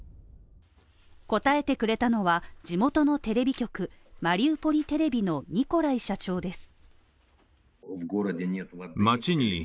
答えてくれたのは地元のテレビ局、マリウポリテレビのニコライ社長です。